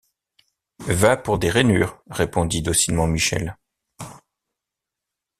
Va pour des rainures, répondit docilement Michel.